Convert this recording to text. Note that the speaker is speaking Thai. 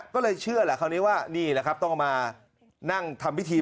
ก็สุดท้ายแต่การตัดสินใจ